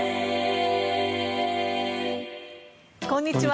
こんにちは。